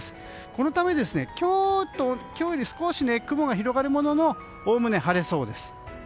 このため今日より少し雲が広がるもののおおむね晴れそうです。